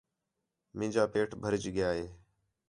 مینجا پیٹ بھرج ڳیا ہے